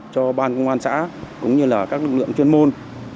cho ban công an xã cũng như là các lực lượng chuyên môn